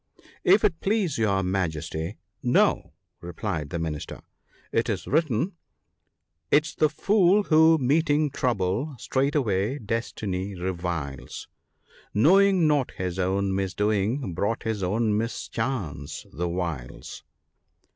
* If it please your Majesty, no/ replied the Minister ;' it is written, —" *Tis the fool who, meeting trouble, straightway destiny reviles ; Knowing not his own misdoing brought his own mischance the whiles.